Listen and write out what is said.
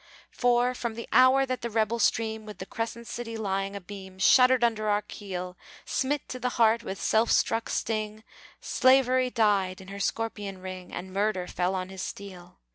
For from the hour that the Rebel Stream With the Crescent City lying abeam, Shuddered under our keel, Smit to the heart with self struck sting, Slavery died in her scorpion ring And Murder fell on his steel.